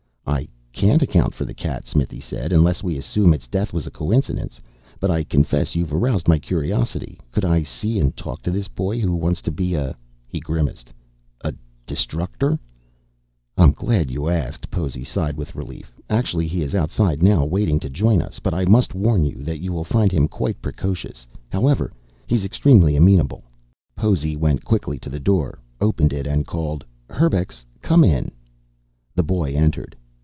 "I can't account for the cat," Smithy said. "Unless we assume its death was a coincidence. But I confess you've aroused my curiosity. Could I see and talk to this boy who wants to be a " he grimaced "a Destructor?" "I'm glad you asked." Possy sighed with relief. "Actually he is outside now, waiting to join us. But I must warn you that you'll find him quite precocious. However, he's extremely amenable." Possy went quickly to the door, opened it and called, "Herbux, come in." The boy entered.